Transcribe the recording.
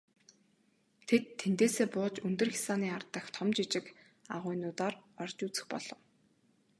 Тэд тэндээсээ бууж өндөр хясааны ар дахь том жижиг агуйнуудаар орж үзэх болов.